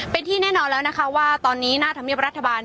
เป็นที่แน่นอนแล้วนะคะว่าตอนนี้หน้าธรรมเนียบรัฐบาล